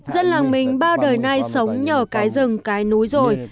dân làng mình bao đời nay sống nhờ cái rừng cái núi rồi